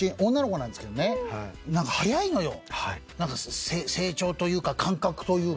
なんか早いのよ成長というか感覚というか。